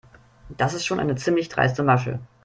Das ist schon eine ziemlich dreiste Masche.